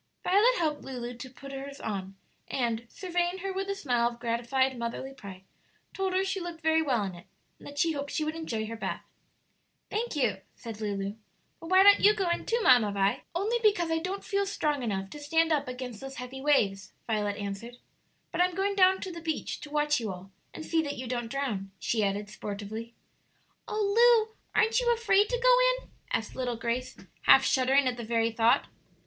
Violet helped Lulu to put her's on, and, surveying her with a smile of gratified motherly pride, told her she looked very well in it, and that she hoped she would enjoy her bath. "Thank you," said Lulu; "but why don't you go in too, Mamma Vi?" "Only because I don't feel strong enough to stand up against those heavy waves," Violet answered. "But I am going down to the beach to watch you all, and see that you don't drown," she added, sportively. "Oh Lu, aren't you afraid to go in?" asked little Grace, half shuddering at the very thought.